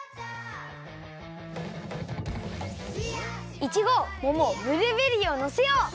いちごももブルーベリーをのせよう！